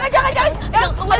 jangan jangan jangan